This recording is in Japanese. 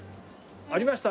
ありました？